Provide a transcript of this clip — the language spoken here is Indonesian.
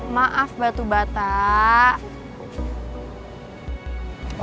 maaf batu batak